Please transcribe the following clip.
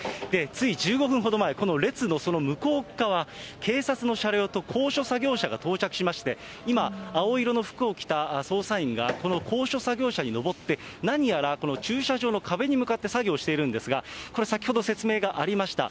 つい１５分ほど前、この列のその向こうっ側、警察の車両と高所作業車が到着しまして、今、青色の服を着た作業員が、その高所作業車に上って、何やら、この駐車場の壁に向かって作業をしているんですが、これ先ほど、説明がありました。